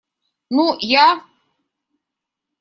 Ну, я.